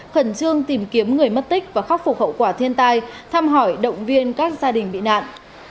khẩn trương tìm kiếm người mất tích và khắc phục hậu quả thiên tai thăm hỏi động viên các gia đình bị nạn